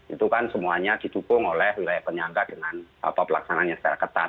itu kan semuanya didukung oleh wilayah penyangga dengan pelaksanaannya secara ketat